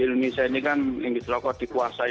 indonesia ini kan industri rokok dikuasai